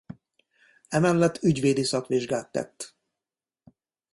Emellett ügyvédi szakvizsgát tett.